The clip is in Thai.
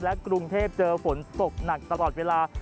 กรุงเทพเจอฝนตกหนักตลอดเวลา